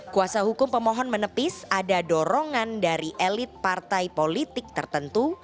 kuasa hukum pemohon menepis ada dorongan dari elit partai politik tertentu